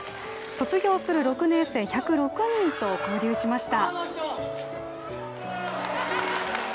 卒業する６年生１０６人と交流しました。